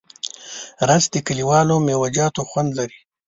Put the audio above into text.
رس د کلیوالو میوهجاتو خوند لري